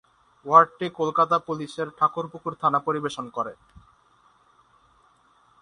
ওয়ার্ডটি কলকাতা পুলিশের ঠাকুরপুকুর থানা পরিবেশন করে।